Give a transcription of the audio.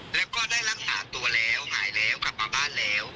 แล้วก็ได้รักษาตัวแล้วหายแล้วกลับมาบ้านแล้ว